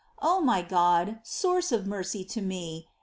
O my God, Source of mercy to me